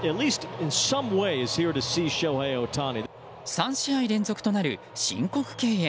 ３試合連続となる申告敬遠。